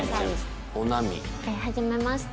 はじめまして。